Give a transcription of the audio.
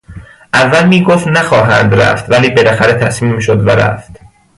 اول میگفت نخواهد رفت ولی بالاخره تسلیم شد و رفت.